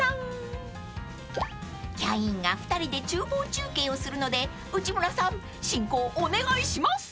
［キャインが２人で厨房中継をするので内村さん進行お願いします！］